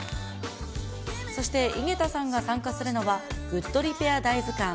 そして井桁さんが参加するのは、グッドリペア大図鑑。